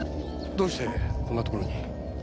どうしてこんなところに？